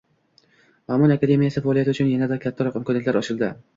Ma'mun akademiyasi faoliyati uchun yanada kattaroq imkoniyatlar ochildi